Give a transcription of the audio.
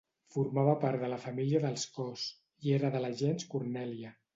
Formava part de la família dels Cos, i era de la gens Cornèlia.